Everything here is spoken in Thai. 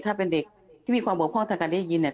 ถ้าเป็นเด็กที่มีความบกพ่องทางการได้ยินเนี่ย